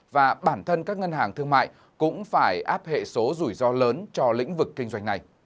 và bản thân các ngân hàng thương mại cũng phải áp hệ số rủi ro lớn cho lĩnh vực kinh doanh này